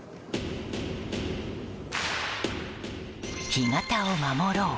干潟を守ろう。